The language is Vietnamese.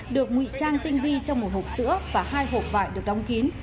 được ngụy trang tinh vi trong một hộp sữa và hai hộp vải được đóng kín